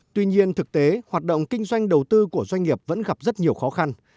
tuy nhiên thực tế hoạt động kinh doanh đầu tư của doanh nghiệp vẫn gặp rất nhiều khó khăn